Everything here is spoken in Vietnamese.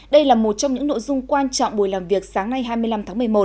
đây là một trong những nội dung quan trọng buổi làm việc sáng nay hai mươi năm tháng một mươi một